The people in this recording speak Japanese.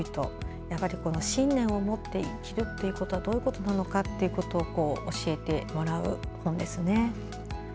やっぱり信念を持って生きるということはどういうことなのかということを教えてもらう本ですね。